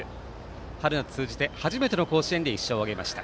春夏通じて、初めての甲子園で１勝を挙げました。